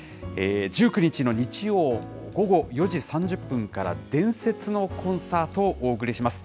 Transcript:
１９日の日曜午後４時３０分から、伝説のコンサートをお送りします。